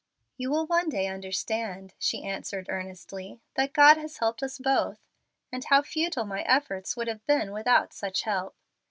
"You will one day understand," she answered, earnestly, "that God has helped us both, and how futile my efforts would have been without such help.